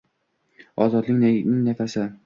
Ozodlikning nafasi.